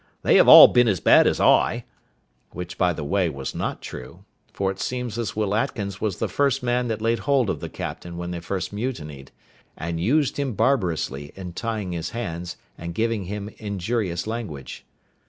They have all been as bad as I:" which, by the way, was not true; for it seems this Will Atkins was the first man that laid hold of the captain when they first mutinied, and used him barbarously in tying his hands and giving him injurious language.